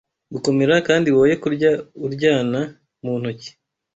gukomera kandi woye kurya uryana mu ntoki